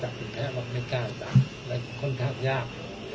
ค่อนข้างยาก